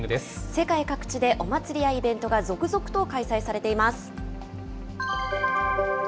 世界各地でお祭りやイベントが続々と開催されています。